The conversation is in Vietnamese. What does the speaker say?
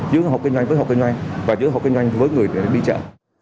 giữa hộp kinh doanh với hộp kinh doanh và giữa hộp kinh doanh với người để đi chợ